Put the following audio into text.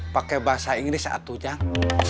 pakai bahasa inggris satu jam